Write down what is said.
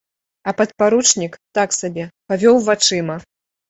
А падпаручнік, так сабе, павёў вачыма.